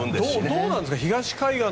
どうなんですか？